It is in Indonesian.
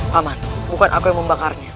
pak man bukan aku yang membakarnya